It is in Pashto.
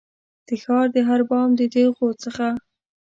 د ښار د هر بام د تېغو څخه